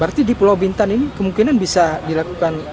berarti di pulau bintan ini kemungkinan bisa dilakukan